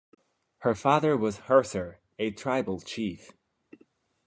Her father was Hersir, a tribal chief.